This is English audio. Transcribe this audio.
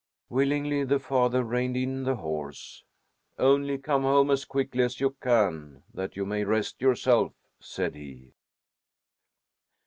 Willingly the father reined in the horse. "Only come home as quickly as you can, that you may rest yourself," said he.